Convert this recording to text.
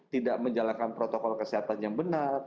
tidak menjalankan protokol kesehatan yang benar